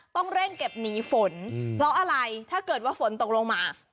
ต้องเร่งเก็บหนีฝนเพราะอะไรถ้าเกิดว่าฝนตกลงมา